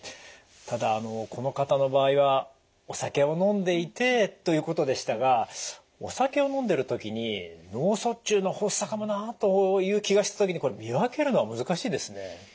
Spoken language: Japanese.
ただあのこの方の場合はお酒を飲んでいてということでしたがお酒を飲んでる時に脳卒中の発作かもなという気がした時にこれ見分けるのが難しいですね。